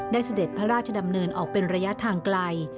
เสด็จพระราชดำเนินออกเป็นระยะทางไกล